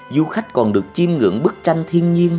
du khách còn được chiêm ngưỡng bức tranh thiên nhiên